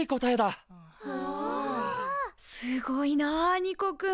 すごいなニコくん。